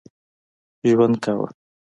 ژوند کاوه.